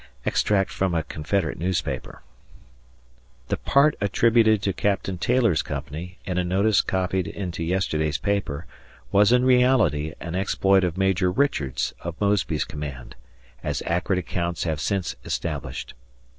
[Extract from a Confederate newspaper] The part attributed to Captain Taylor's Company, in a notice copied into yesterday's paper, was in reality an exploit of Major Richards, of Mosby's command, as accurate accounts have since established.